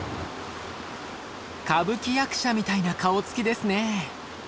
歌舞伎役者みたいな顔つきですね。